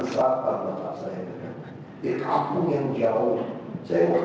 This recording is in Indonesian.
saya tidak dengar pak